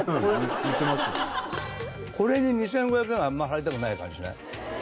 これに２５００円はあんまり払いたくない感じしない？